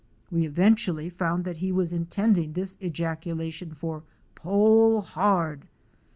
We eventually found that he was intending this ejaculation for ' Pole hard!"